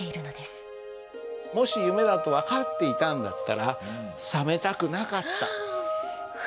もし夢だと分かっていたんだったら覚めたくなかった。